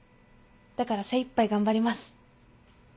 だから精いっぱい頑張ります。